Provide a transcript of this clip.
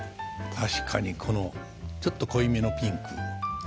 確かにこのちょっと濃いめのピンク。